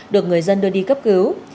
được người dân đưa đi cấp cứu